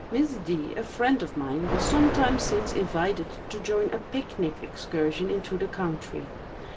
Miss D——, a friend of mine, was some time since invited to join a pic nic excursion into the country.